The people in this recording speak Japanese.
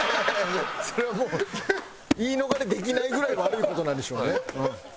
それはもう言い逃れできないぐらい悪い事なんでしょうね。